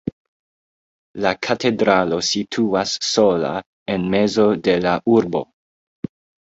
La katedralo situas sola en mezo de la urbo.